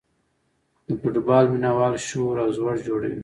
د فوټبال مینه وال شور او ځوږ جوړوي.